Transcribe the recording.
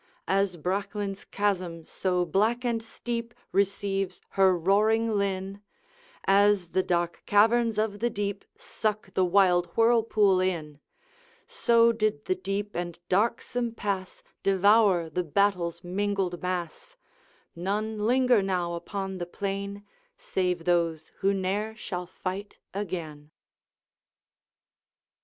As Bracklinn's chasm, so black and steep, Receives her roaring linn As the dark caverns of the deep Suck the wild whirlpool in, So did the deep and darksome pass Devour the battle's mingled mass; None linger now upon the plain Save those who ne'er shall fight again.